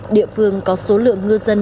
địa phương có số lượng ngư dân